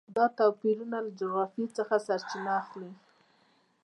دا توپیرونه له جغرافیې څخه سرچینه اخلي.